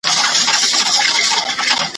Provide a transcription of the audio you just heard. د زړه د ناروغۍ له امله